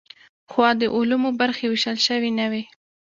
پخوا د علومو برخې ویشل شوې نه وې.